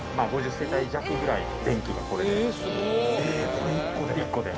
これ一個で？